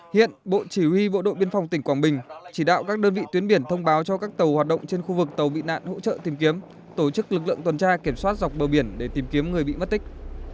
hiện bộ chỉ huy bộ đội biên phòng tỉnh quảng bình chỉ đạo các đơn vị tuyến biển thông báo cho các tàu hoạt động trên khu vực tàu bị nạn hỗ trợ tìm kiếm tổ chức lực lượng tuần tra kiểm soát dọc bờ biển để tìm kiếm người bị mất tích